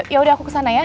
ya udah aku kesana ya